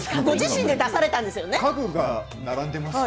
ご自身で出されたんですよね。